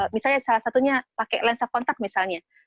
misalnya salah satunya pakai lensa kontak misalnya